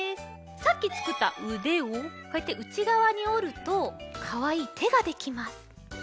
さっきつくったうでをこうやってうちがわにおるとかわいいてができます。